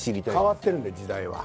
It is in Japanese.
変わってるんで時代は。